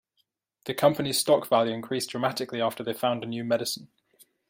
The company's stock value increased dramatically after they found a new medicine.